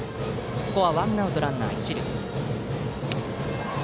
ここはワンアウトランナー、一塁。